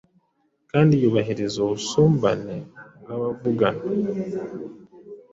kandi yubahiriza ubusumbane bw’abavugana